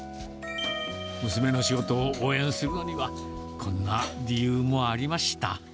娘の仕事を応援するのには、こんな理由もありました。